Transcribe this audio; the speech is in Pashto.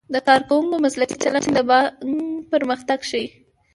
د کارکوونکو مسلکي چلند د بانک پرمختګ ښيي.